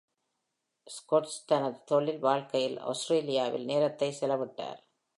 Scott's தனது தொழில் வாழ்க்கையில் ஆஸ்திரேலியாவில் நேரத்தை செலவிட்டார்.